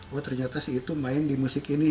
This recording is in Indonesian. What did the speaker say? oh ternyata si itu main di musik ini